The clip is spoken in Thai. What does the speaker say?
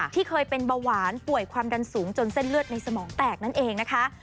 ที่เคยเป็นเบาหวานป่วยความดันสูงจนเส้นเลือดในสมองแตกนั่นเองนะคะ